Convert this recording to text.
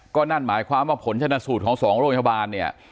ก็นั่นหมายความว่าผลชนะสูตรของ๒โรงพยาบาลเนี่ย